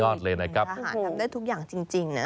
สุดยอดเลยนะครับพี่ทหารทำได้ทุกอย่างจริงนะ